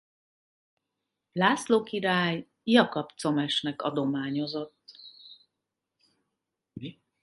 László király Jakab comesnek adományozott.